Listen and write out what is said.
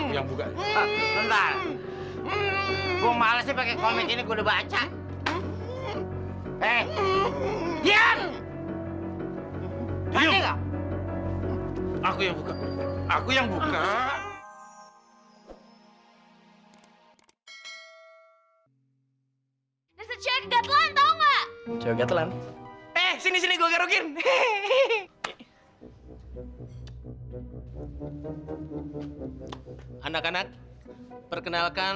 sampai jumpa di video selanjutnya